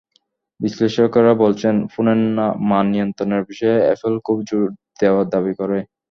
বিশ্লেষকেরা বলছেন, ফোনের মান নিয়ন্ত্রণের বিষয়ে অ্যাপল খুব জোর দেওয়ার দাবি করে।